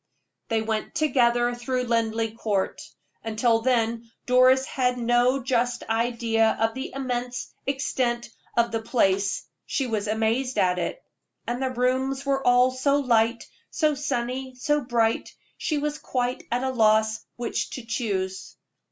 They went together through Linleigh Court. Until then Doris had no just idea of the immense extent of the place she was amazed at it. And the rooms were all so light, so sunny, so bright, she was quite at a loss which to choose.